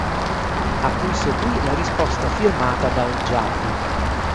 A cui seguì la risposta firmata da Olgiati.